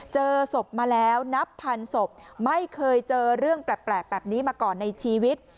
เจอศพมาแล้วนับพันศพไม่เคยเจอเรื่องแปลกแบบนี้มาก่อนในชีวิต